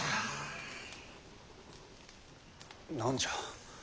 何じゃ？